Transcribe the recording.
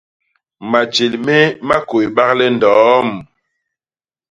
Matjél méé ma kôybak le ndoom.